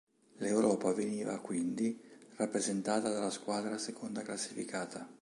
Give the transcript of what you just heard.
L'Europa veniva, quindi, rappresentata dalla squadra seconda classificata.